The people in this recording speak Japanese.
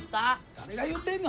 誰が言うてんの？